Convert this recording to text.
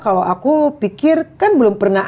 kalau aku pikir kan belum pernah